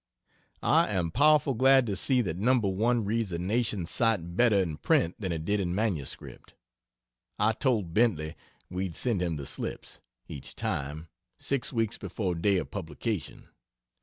I am powerful glad to see that No. 1 reads a nation sight better in print than it did in MS. I told Bentley we'd send him the slips, each time, 6 weeks before day of publication.